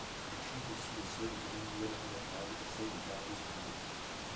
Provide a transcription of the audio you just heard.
Elle chante aussi les œuvres de Manuel Rosenthal et celles de Darius Milhaud.